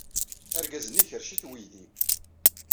Argaz-nni ikerrec-it weydi.